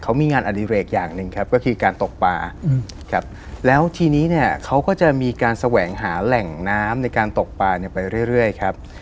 เขามีงานอดิเรกอย่างหนึ่งครับก็คือการตกปลาครับแล้วทีนี้เนี่ยเขาก็จะมีการแสวงหาแหล่งน้ำในการตกปลาเนี่ยไปเรื่อยครับ